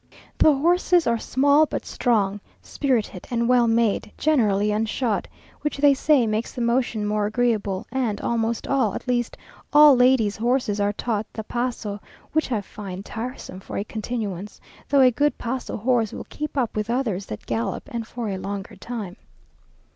The horses are small, but strong, spirited, and well made; generally unshod, which they say makes the motion more agreeable; and almost all, at least all ladies' horses, are taught the paso, which I find tiresome for a continuance, though a good paso horse will keep up with others that gallop, and for a longer time.